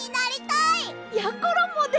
やころもです！